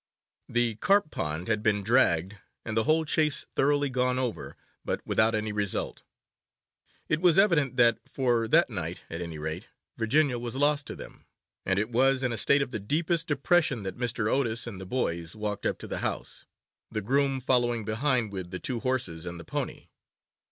The carp pond had been dragged, and the whole Chase thoroughly gone over, but without any result. It was evident that, for that night at any rate, Virginia was lost to them; and it was in a state of the deepest depression that Mr. Otis and the boys walked up to the house, the groom following behind with the two horses and the pony.